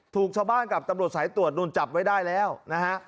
ถูกชาวบ้านกับตำรวจสายตรวจนู่นจับไว้ได้แล้วนะฮะ